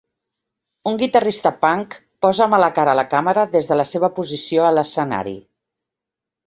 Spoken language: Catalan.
Un guitarrista punk posa mala cara a la càmera des de la seva posició a l'escenari.